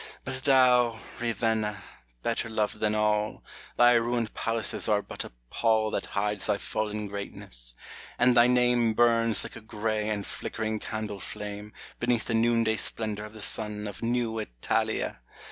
But thou, Ravenna, better loved than all, Thy ruined palaces are but a pall That hides thy fallen greatness ! and thy name Burns like a gray and flickering candle flame, Beneath the noonday splendor of the sun Of new Italia